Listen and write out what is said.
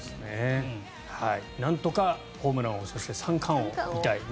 なんとかホームラン王そして三冠王、見たい。